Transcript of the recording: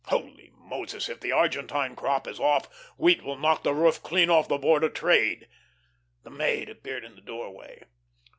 Holy Moses, if the Argentine crop is off, wheat will knock the roof clean off the Board of Trade!" The maid reappeared in the doorway.